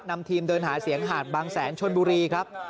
นำทีมเดินหาเสียงหาดบางแสนชนบุรีครับ